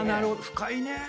深いね。